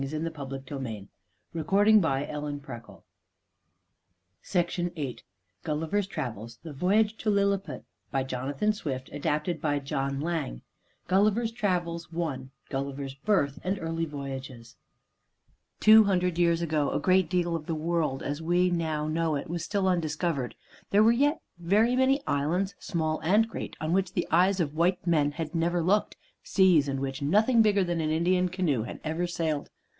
So died Don Quixote de la Mancha, a good man and a brave gentleman to the end. GULLIVER'S TRAVELS VOYAGE TO LILLIPUT By JONATHAN SWIFT ADAPTED BY JOHN LANG I GULLIVER'S BIRTH AND EARLY VOYAGES Two hundred years ago, a great deal of the world as we now know it was still undiscovered; there were yet very many islands, small and great, on which the eyes of white men had never looked, seas in which nothing bigger than an Indian canoe had ever sailed.